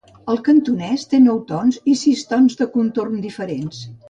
El cantonès té nou tons i sis tons de contorn diferents.